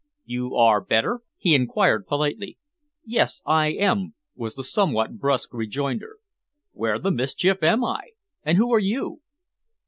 "You are better?" he enquired politely. "Yes, I am," was the somewhat brusque rejoinder. "Where the mischief am I, and who are you?"